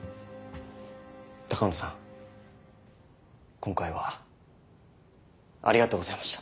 今回はありがとうございました。